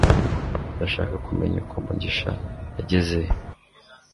Ndashaka kumenya uko mugisha yagezeyo